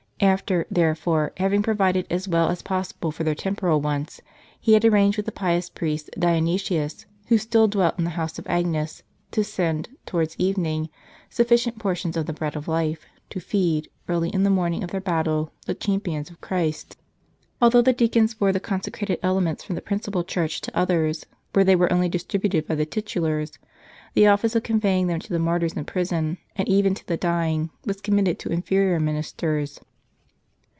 After, therefore, having provided as well as possible for their tem poral wants, he had arranged with the pious priest Dionysius, who still dwelt in the house of Agnes, to send, towards even ing, sufficient portions of the Bread of Life, to feed, early in the morning of their battle, the champions of Christ. Although the deacons bore the consecrated elements from the principal church to others, where they were only distributed by the titulars, the office of conveying them to the martyrs in prison, and even to the dying, was committed to inferior min isters.